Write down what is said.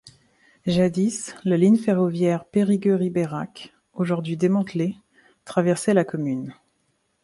Jadis, la ligne ferroviaire Périgueux - Ribérac, aujourd'hui démantelée, traversait la commune.